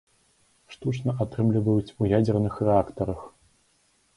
Штучна атрымліваюць у ядзерных рэактарах.